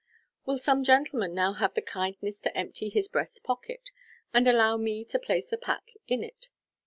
" Will some gentleman now have the kindness to empty his breast pocket, and allow me to place the pack in it."